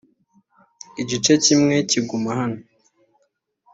igice kimwe kiguma hano